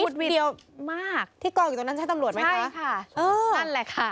ที่กรต์อยู่ตรงนั้นใช่ตำรวจไหมคะค่ะนั่นแหละค่ะ